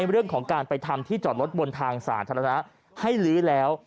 เรื่องของการไปทำที่จอดรถบนทางสาธารณะให้ลื้อแล้ว